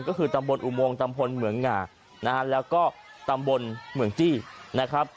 ก็คือตำบลอุโมงตำบลเหมืองหงานะฮะแล้วก็ตำบลเหมืองจี้นะครับ